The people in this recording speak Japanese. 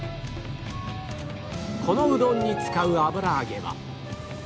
このうどんに使う油揚げは